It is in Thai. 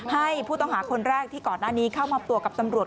ให้ผู้ต้องหาคนแรกที่ก่อนหน้านี้เข้ามอบตัวกับตำรวจ